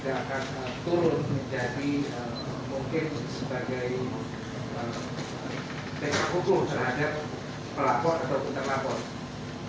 teka hukum terhadap pelapor atau interlapor